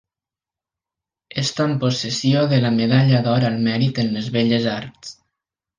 Està en possessió de la Medalla d'Or al Mèrit en les Belles Arts.